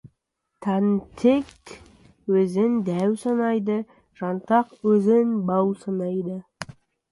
Тентек өзін дәу санайды, жантақ өзін бау санайды.